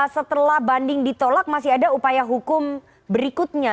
setelah banding ditolak masih ada upaya hukum berikutnya